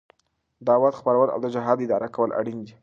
دعوت خپرول او د جهاد اداره کول اړين دي.